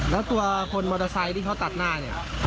แล้วตัวคนมอเตอร์ไซค์ที่เขาตัดหน้าเนี่ย